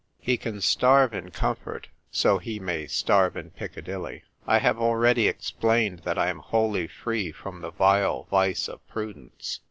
He can starve in comfort, so he may starve in Piccadilly. I have already explained that I am wholly free from the vile vice of prudence.